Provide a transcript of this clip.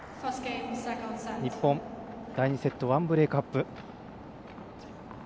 日本、第２セット１ブレークアップ。